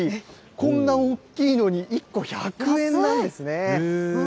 こんな大きいのに１個１００円なんですね。